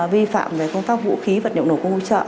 vi phạm về công tác vũ khí vật liệu nổ công cụ hỗ trợ